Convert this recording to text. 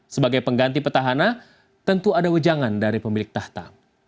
sebagai pengganti petahana tentu ada wejangan dari pemilik tahta